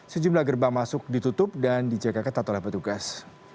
sejumlah gerbang masuk ditutup dan dijaga ketat oleh petugas